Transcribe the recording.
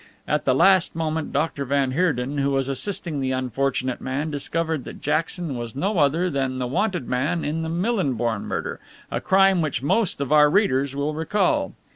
At the last moment Dr. van Heerden, who was assisting the unfortunate man, discovered that Jackson was no other than the wanted man in the Millinborn murder, a crime which most of our readers will recall.